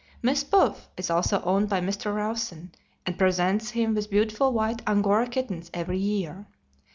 Miss Puff is also owned by Mr. Rawson, and presents him with beautiful white Angora kittens every year.